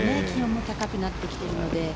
気温も高くなってきているので。